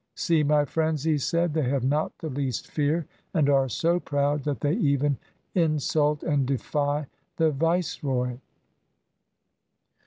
' See my friends,' he said, ' they have not the least fear, and are so proud that they even insult and defy the Viceroy'.